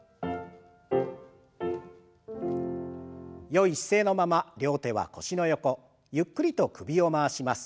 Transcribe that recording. よい姿勢のまま両手は腰の横ゆっくりと首を回します。